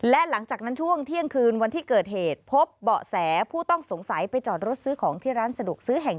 และหลังจากนั้นช่วงเที่ยงคืนวันที่เกิดเหตุพบเบาะแสผู้ต้องสงสัยไปจอดรถซื้อของที่ร้านสะดวกซื้อแห่ง๑